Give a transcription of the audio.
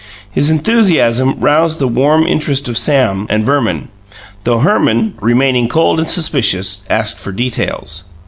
His enthusiasm roused the warm interest of Sam and Verman, though Herman, remaining cold and suspicious, asked for details.